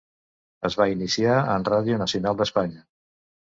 Es va iniciar en Ràdio Nacional d'Espanya.